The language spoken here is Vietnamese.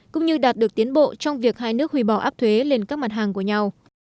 cũng như đạt được tiến bộ trong việc hai nước hủy bỏ áp thuế lên các mặt hàng của nhau